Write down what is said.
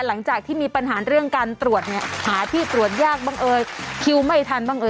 หลังจากที่มีปัญหาเรื่องการตรวจเนี่ยหาที่ตรวจยากบ้างเอ่ยคิวไม่ทันบ้างเอ่